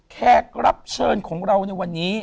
แขกรับเชิญของเราในวันนี้